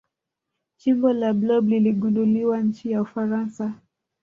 chimbo la blob liligunduliwa nchini ufaransa